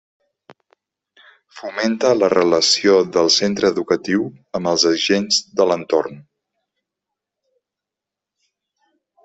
Fomenta la relació del centre educatiu amb els agents de l'entorn.